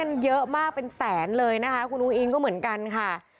มันเยอะมากเป็นแสนเลยนะคะคุณอุ้งอิงก็เหมือนกันค่ะ